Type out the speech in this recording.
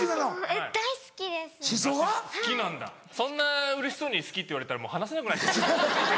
そんなうれしそうに好きって言われたら話せなくなっちゃう。